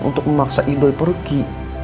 untuk memaksa idoi pergi